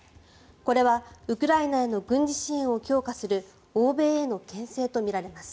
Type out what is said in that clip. これは、ウクライナへの軍事支援を強化する欧米へのけん制とみられます。